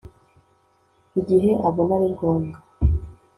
igihe abona ari ngombwa